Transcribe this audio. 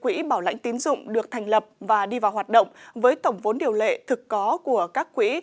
quỹ bảo lãnh tín dụng được thành lập và đi vào hoạt động với tổng vốn điều lệ thực có của các quỹ